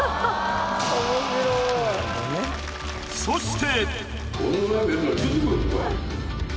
そして。